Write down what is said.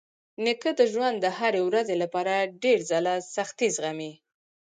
نیکه د ژوند د هرې ورځې لپاره ډېر ځله سختۍ زغمي.